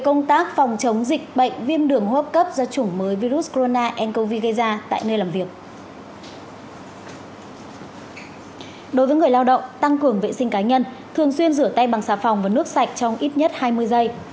đối với người lao động tăng cường vệ sinh cá nhân thường xuyên rửa tay bằng xà phòng và nước sạch trong ít nhất hai mươi giây